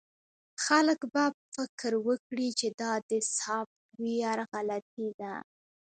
خلک به فکر وکړي چې دا د سافټویر غلطي ده